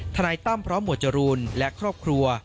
นายตั้มพร้อมหมวดจรูนและครอบครัว